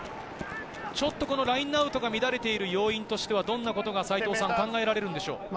ちょっとラインアウトが乱れている要因としてはどんなことが考えられるんでしょうか？